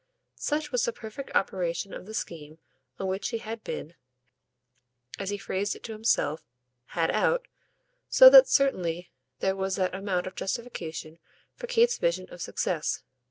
Such was the perfect operation of the scheme on which he had been, as he phrased it to himself, had out; so that certainly there was that amount of justification for Kate's vision of success.